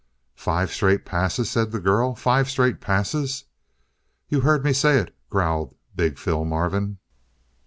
"Five straight passes!" said the girl. "Five straight passes!" "You heard me say it," growled big Phil Marvin.